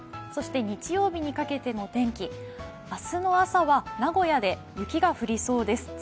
そして日曜日にかけての天気、明日の朝は名古屋で雪が降りそうです。